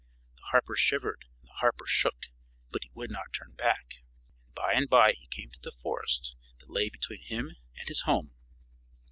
The harper shivered and the harper shook, but he would not turn back; and by and by he came to the forest that lay between him and his home.